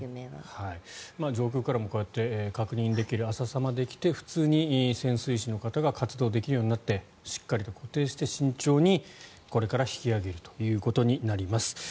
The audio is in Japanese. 上空からも確認できる浅さまで来て普通に潜水士の方が活動できるようになってしっかりと固定して慎重にこれから引き揚げるということになります。